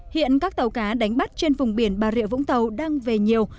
hiện các tàu cá đánh bắt trên vùng biển bà rịa vũng tàu đang về nhiều